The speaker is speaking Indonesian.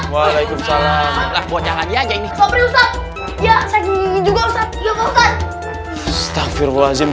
walaikumsalam buat jalan aja ini